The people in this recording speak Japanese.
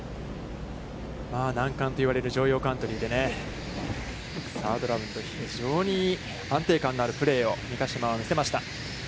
難関と言われる城陽カントリーでね、サードラウンド、非常に安定感があるプレーを三ヶ島は見せました。